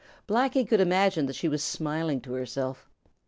Blacky could imagine that she was smiling to herself.